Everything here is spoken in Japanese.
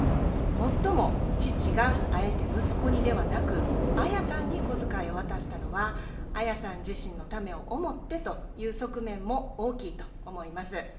もっとも父があえて息子にではなくアヤさんに小遣いを渡したのはアヤさん自身のためを思ってという側面も大きいと思います。